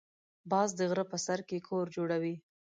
باز د غره په سر کې کور جوړوي